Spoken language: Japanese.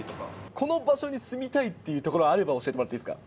この場所に住みたいっていう所あれば教えてもらっていいですか。